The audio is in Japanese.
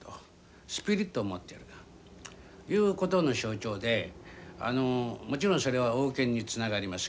スピリットを持ってるいうことの象徴でもちろんそれは王権につながります。